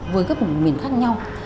với các vùng miền khác nhau